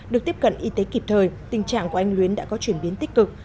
được tiếp cận y tế kịp thời tình trạng của anh luyến đã có chuyển biến tích cực